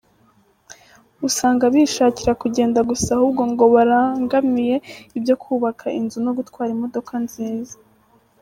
Usanga bishakira kugenda gusa ahubwo ngo barangamiye ibyo kubaka inzu no gutwara imodoka nziza.